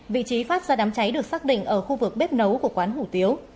vị trí phát ra đám cháy được xác định ở khu vực bếp nấu của quán hủ tiếu